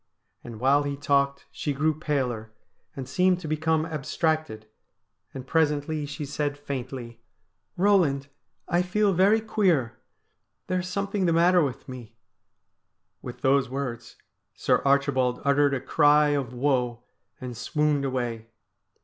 And while he talked she grew paler, and seemed to become abstracted, and presently she said faintly :' Eoland, I feel very queer. There is something the matter with me.' With those words Sir Archibald uttered a cry of woe, and swooned away.